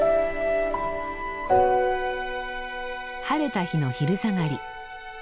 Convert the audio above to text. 晴れた日の昼下がり。